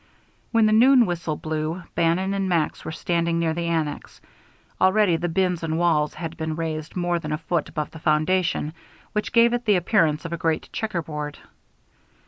When the noon whistle blew Bannon and Max were standing near the annex. Already the bins and walls had been raised more than a foot above the foundation, which gave it the appearance of a great checker board.